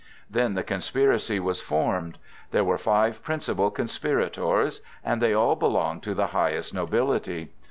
Then the conspiracy was formed. There were five principal conspirators; and they all belonged to the highest nobility.